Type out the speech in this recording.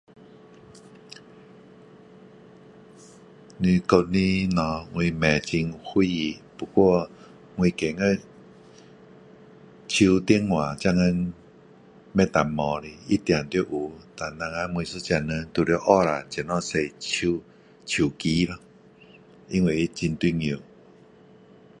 你讲的东西我不很明白不过我觉得手电话现在不能没有的一定要有然后我们每一个人就要学下怎样用手手机咯因为它很重要